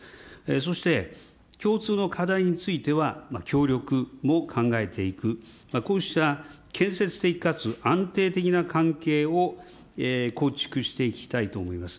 そして共通の課題については、協力も考えていく、こうした建設的かつ安定的な関係を構築していきたいと思います。